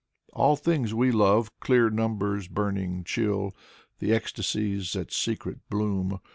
All things we love: clear numbers' burning chill. The ecstasies that secret bloom.